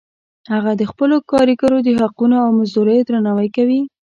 هغه د خپلو کاریګرو د حقونو او مزدوریو درناوی کوي